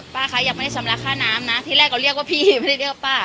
ป้าคะยังไม่ได้ชำระค่าน้ำนะที่แรกเราเรียกว่าพี่ไม่ได้เรียกว่าป้า